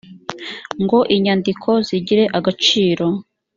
ngo inyandiko zigire agaciro